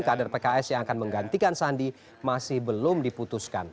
kursi yang akan menggantikan sandi masih belum diputuskan